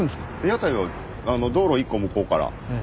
屋台は道路一個向こうから。